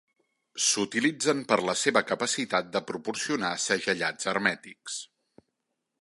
S'utilitzen per la seva capacitat de proporcionar segellats hermètics.